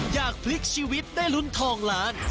อยากพลิกชีวิตได้ลุ้นทองล้าน